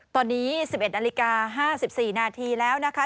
ตอนนี้๑๑นาฬิกา๕๔นาทีแล้วนะคะ